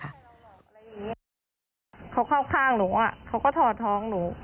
เขาเข้าข้างหนูเขาก็ถอดทองหนู